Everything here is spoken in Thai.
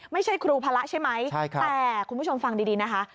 ไม่ใช่ครูพระใช่ไหมแต่คุณผู้ชมฟังดีนะคะ